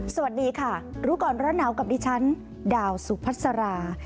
สวัสดีค่ะรู้ก่อนร้อนหนาวกับดิฉันดาวสุพัสรา